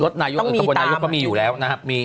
ต้องมีตาม